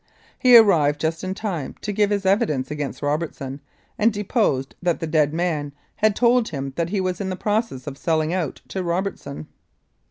He arrived just in time to give his evidence against Robertson, and deposed that the dead man had told him that he was in process of selling out to Robertson.